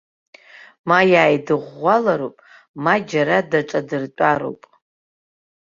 Ма иааидыӷәӷәалароуп, ма џьара даҿадыртәароуп.